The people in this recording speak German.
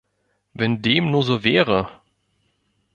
Wenn dem nur so wäre!